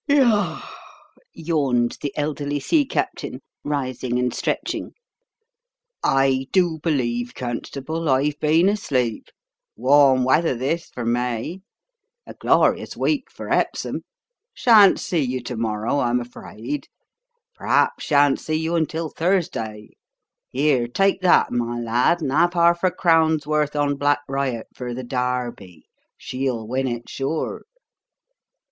"Yar r r!" yawned the elderly sea captain, rising and stretching. "I do believe, constable, I've been asleep. Warm weather, this, for May. A glorious week for Epsom. Shan't see you to morrow, I'm afraid. Perhaps shan't see you until Thursday. Here, take that, my lad, and have half a crown's worth on Black Riot for the Derby; she'll win it, sure."